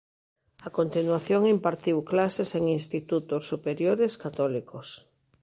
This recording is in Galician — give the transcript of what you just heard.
A continuación impartiu clases en institutos superiores católicos.